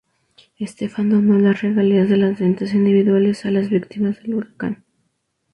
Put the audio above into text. Estefan donó las regalías de las ventas individuales a las víctimas del huracán.